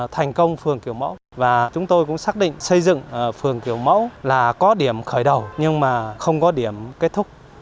thành công phường kiểu mẫu và chúng tôi cũng xác định xây dựng phường kiểu mẫu là có điểm khởi đầu nhưng mà không có điểm kết thúc